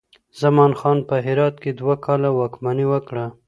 زمان خان په هرات کې دوه کاله واکمني وکړه.